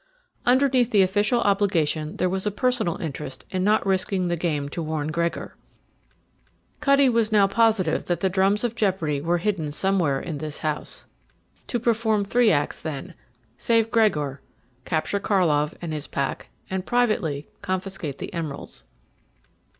Underneath the official obligation there was a personal interest in not risking the game to warn Gregor. Cutty was now positive that the drums of jeopardy were hidden somewhere in this house. To perform three acts, then: Save Gregor, capture Karlov and his pack, and privately confiscate the emeralds.